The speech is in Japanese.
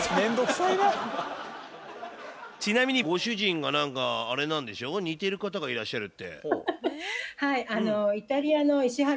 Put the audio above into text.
ちなみにご主人が何かあれなんでしょ似てる方がいらっしゃるって。